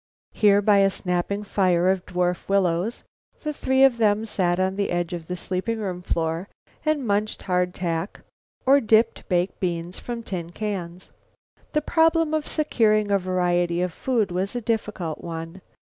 Here, by a snapping fire of dwarf willows, the three of them sat on the edge of the sleeping room floor and munched hardtack or dipped baked beans from tin cans. The problem of securing a variety of food was a difficult one.